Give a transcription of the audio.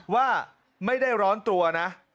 ว่าไม่ได้ร้อนตัวนะ